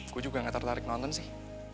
gue juga gak tertarik nonton sih